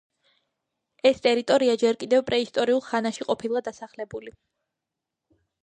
ეს ტერიტორია ჯერ კიდევ პრეისტორიულ ხანაში ყოფილა დასახლებული.